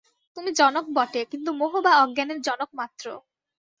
তুমি জনক বটে, কিন্তু মোহ বা অজ্ঞানের জনকমাত্র।